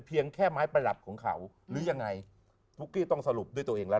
เพียงแค่ไม้ประหลับของเขาหรือยังไงต้องสรุปด้วยตัวเองแล้ว